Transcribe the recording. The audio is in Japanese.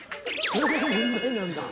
それが問題なんだ。